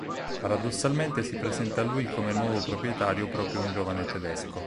Paradossalmente si presenta a lui come nuovo proprietario proprio un giovane tedesco.